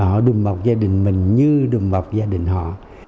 họ đùm bọc gia đình mình như đùm bọc gia đình họ